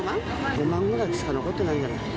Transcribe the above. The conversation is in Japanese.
５万ぐらいしか残ってないんじゃない。